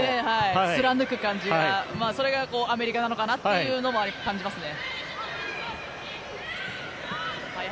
貫く感じがアメリカなのかなというのも感じますね。